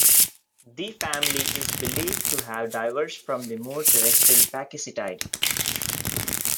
The family is believed to have diverged from the more terrestrial Pakicetidae.